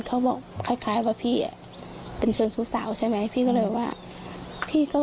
เขาคล้ายว่าพี่เป็นเชิงสู้เสาร์แพร่แหง